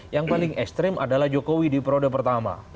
yang paling ekstrim adalah jokowi di periode pertama